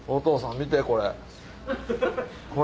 見てよこれ。